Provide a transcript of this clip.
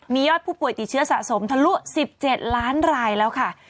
มียอดผู้ป่วยติดเชื้อสะสมทะลุ๑๗ล้านรายแล้วค่ะ